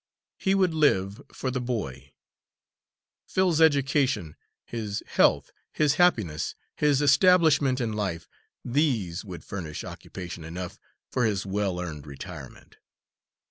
He would live for the boy. Phil's education, his health, his happiness, his establishment in life these would furnish occupation enough for his well earned retirement.